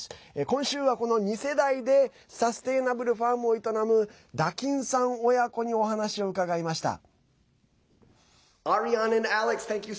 今週は、この２世代でサステナブルファームを営むダギンさん親子にお話を伺いました。